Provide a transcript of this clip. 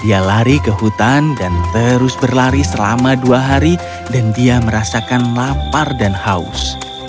dia lari ke hutan dan terus berlari selama dua hari dan dia merasakan lapar dan haus